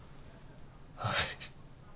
はい。